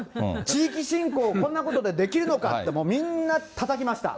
地域振興をこんなことでできるのかって、もう、みんなたたきました。